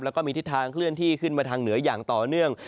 แล้วก็มีทิศทางเคลื่อนที่ขึ้นมาทางเหนืออย่างต่อเนื่อง